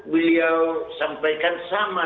beliau sampaikan sama